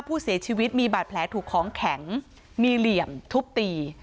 ผู้เสียชีวิตมีบาดแผลถูกของแข็งมีเหลี่ยมทุบตี